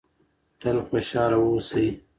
تل خوشحاله اوسئ.